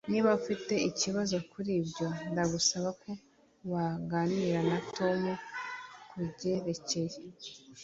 Niba ufite ikibazo kuri ibyo, ndagusaba ko waganira na Tom kubyerekeye.